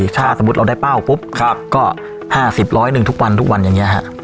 ถ้าสมมุติเราได้เป้าปุ๊บครับก็ห้าสิบร้อยหนึ่งทุกวันทุกวันอย่างเงี้ยฮะ